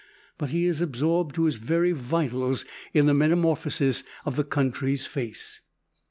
But he is absorbed to his very vitals in the metamorphosis of the country's face.